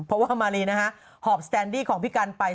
เพราะว่ามารีนะฮะหอบสแตนดี้ของพี่กันไป